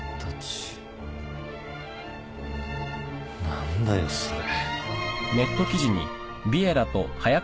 何だよそれ。